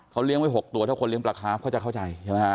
เขาเลี้ยงไว้๖ตัวถ้าคนเลี้ยปลาคาร์ฟเขาจะเข้าใจใช่ไหมฮะ